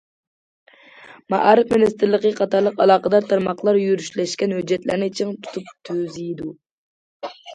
مائارىپ مىنىستىرلىقى قاتارلىق ئالاقىدار تارماقلار يۈرۈشلەشكەن ھۆججەتلەرنى چىڭ تۇتۇپ تۈزىدۇ.